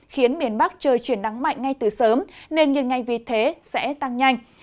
khiến miền bắc trời chuyển nắng mạnh ngay từ sớm nên nghiền ngay vì thế sẽ tăng nhanh